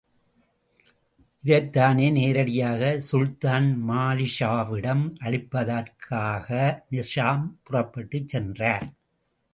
இதைத் தானே நேரடியாக சுல்தான் மாலிக்ஷாவிடம் அளிப்பதற்காக நிசாம் புறப்பட்டுச் சென்றார்.